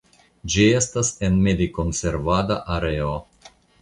Ĝi estas en medikonservada areo.